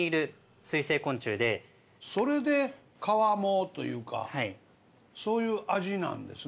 それでかわもというかそういう味なんですね。